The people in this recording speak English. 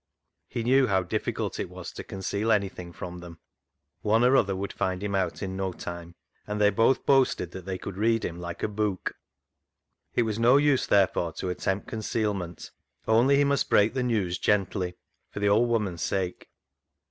He knew how difficult it was to conceal any thing from them. One or other would find GIVING A MAN AWAY 87 him out in no time, and they both boasted they could read him " like a book." It was no use, therefore, to attempt concealment ; only he must break the news gently, for the old woman's sake.